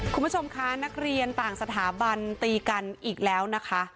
คุณผู้ชมคะนักเรียนต่างสถาบันตีกันอีกแล้วนะคะ